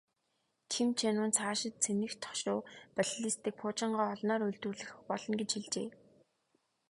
Ким Чен Ун цаашид цэнэгт хошуу, баллистик пуужингаа олноор үйлдвэрлэх болно гэж хэллээ.